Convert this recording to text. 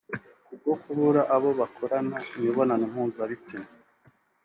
Kubwo kubura abo bakorana imibonano mpuzabitsina